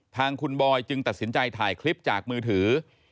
ทางคุณบอยจึงตัดสินใจถ่ายคลิปจากมือถือ